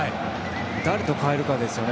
誰と代えるかですね。